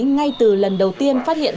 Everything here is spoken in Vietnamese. ngay từ lần đầu tiên phát hiện